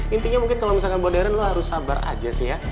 intinya mungkin kalau misalkan modern lo harus sabar aja sih ya